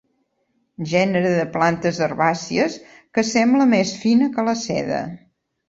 Gènere de plantes herbàcies que sembla més fina que la seda.